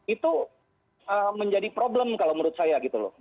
itu menjadi problem kalau menurut saya gitu loh